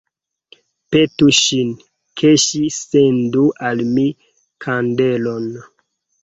Petu ŝin, ke ŝi sendu al mi kandelon.